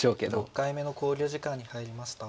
６回目の考慮時間に入りました。